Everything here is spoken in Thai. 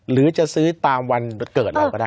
หรือจะซื้อตามวันเกิดเราก็ได้